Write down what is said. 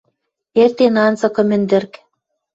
Эртен анзыкы мӹндӹрк.